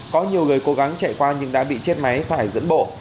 có nhiều người cố gắng chạy qua nhưng đã bị chết máy phải dẫn bộ